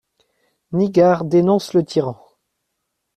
Nigar dénonce le tyran.